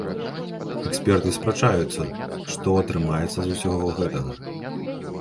Эксперты спрачаюцца, што атрымаецца з усяго гэтага.